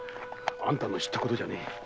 あんたの知ったことじゃねえ。